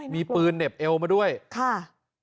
มีปืนเหน็บเอวมาด้วยค่ะ